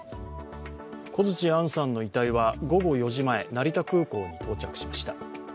小槌杏さんの遺体は午後４時前成田空港に到着しました。